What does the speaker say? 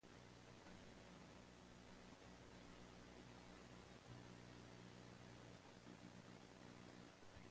After the meeting, she temporarily resumed escort duties in the Atlantic.